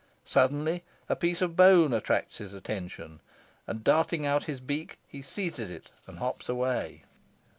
Suddenly a piece of bone attracts his attention, and darting out his beak, he seizes it, and hops away.